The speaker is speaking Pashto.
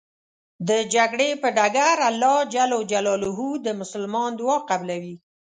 د جګړې په ډګر الله ج د مسلمان دعا قبلوی .